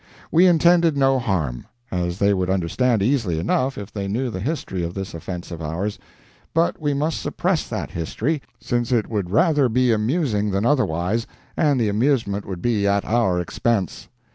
We intended no harm, as they would understand easily enough if they knew the history of this offense of ours, but we must suppress that history, since it would rather be amusing than otherwise, and the amusement would be at our expense.